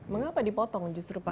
mengapa dipotong justru pak